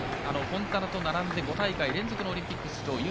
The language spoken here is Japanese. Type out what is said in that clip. フォンタナと並んで５大会連続のオリンピック出場